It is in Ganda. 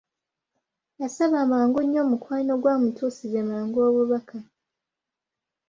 Yasaba mangu nnyo mukwano gwe amutuusize mangu obubaka.